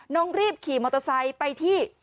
น้องรีบขี่มอเตอร์ไซค์ไปที่